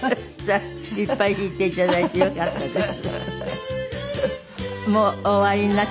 いっぱい弾いて頂いてよかったです。